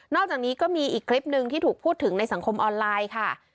อกจากนี้ก็มีอีกคลิปหนึ่งที่ถูกพูดถึงในสังคมออนไลน์ค่ะ